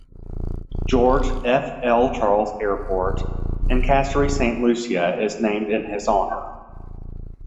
George F. L. Charles Airport, in Castries, Saint Lucia, is named in his honour.